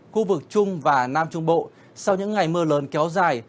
khu vực trung và nam trung bộ sau những ngày mưa lớn kéo dài